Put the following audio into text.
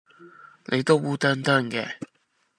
你都烏啄啄嘅